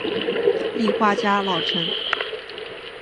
立花家老臣。